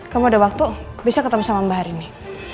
kamu ada waktu bisa ketemu sama mbak hari ini